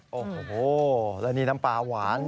โอ้โหแล้วนี่น้ำปลาหวาน